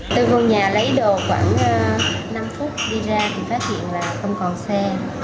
tôi ngồi nhà lấy đồ khoảng năm phút đi ra thì phát hiện là không còn xe